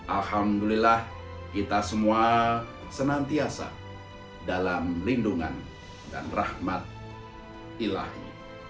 alhamdulillah kita semua senantiasa dalam lindungan dan rahmat ilahi